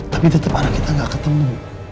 tapi tetap anak kita gak ketemu